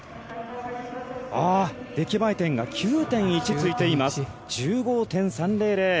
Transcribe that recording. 出来栄え点が９．１ついています。１５．３００。